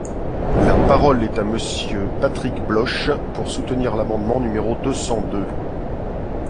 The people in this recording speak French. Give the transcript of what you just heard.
La parole est à Monsieur Patrick Bloche, pour soutenir l’amendement numéro deux cent deux.